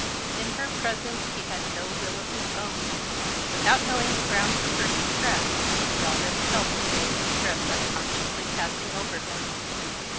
In her presence he had no will of his own: without knowing the grounds of her distress, he already felt the same distress unconsciously passing over him.